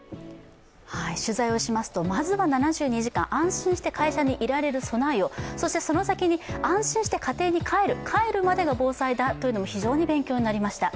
取材をしますとまずは７２時間、安心して会社にいられる備えと、そしてその先に安心して家庭に帰る、帰るまでが防災だというのも非常に勉強になりました。